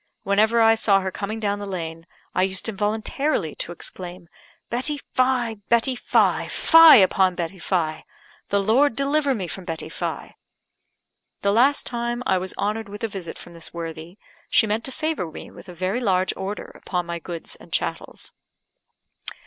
Whenever I saw her coming down the lane, I used involuntarily to exclaim, "Betty Fye! Betty Fye! Fye upon Betty Fye! The Lord deliver me from Betty Fye!" The last time I was honoured with a visit from this worthy, she meant to favour me with a very large order upon my goods and chattels.